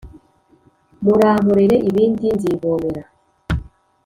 Murankorere ibindi nzivomera.